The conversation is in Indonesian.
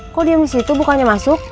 kok diem di situ bukannya masuk